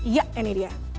ya ini dia